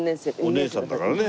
お姉ちゃんだからね。